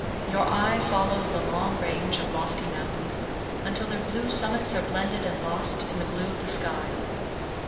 Your eye follows the long range of lofty mountains until their blue summits are blended and lost in the blue of the sky.